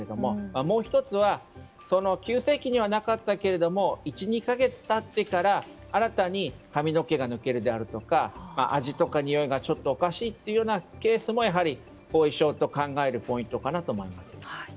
もう１つは急性期にはなかったけれども１２か月が経ってから新たに髪の毛が抜けるであるとか味とかにおいがおかしいというようなケースも後遺症と考えるポイントかなと思います。